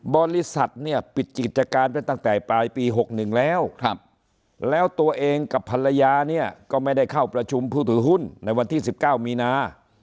บริษัทเนี่ยปิดกิจการไปตั้งแต่ปลายปี๖๑แล้วแล้วตัวเองกับภรรยาเนี่ยก็ไม่ได้เข้าประชุมผู้ถือหุ้นในวันที่๑๙มีนา